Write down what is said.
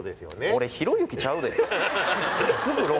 俺ひろゆきちゃうで。